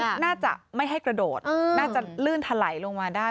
น่าจะไม่ให้กระโดดน่าจะลื่นถลัยลงมาได้